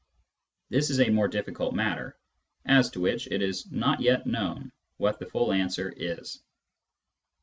This is a more difficult matter, as to which it is not yet known what the full answer is.